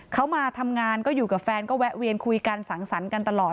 เขามาทำงานก็อยู่กับแฟนก็แวะเวียนคุยกันสังสรรค์กันตลอด